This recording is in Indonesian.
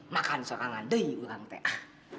makan sekarang aja deh